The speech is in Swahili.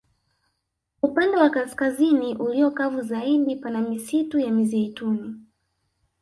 Upande wa kaskazini ulio kavu zaidi pana misitu ya mizeituni